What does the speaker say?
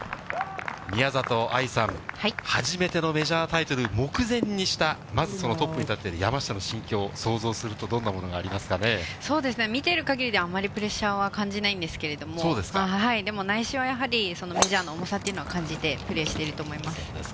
宮里藍さん、初めてのメジャータイトル目前にした、まずそのトップに立っている山下の心境、想像するとどんなものありますかそうですね、見てるかぎりでは、あまりプレッシャーは感じないんですけれども、でも内心はやはり、メジャーの重さっていうのを感じてプレーしていると思います。